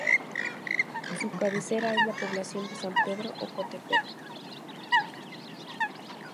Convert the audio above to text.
Su cabecera es la población de San Pedro Ocotepec.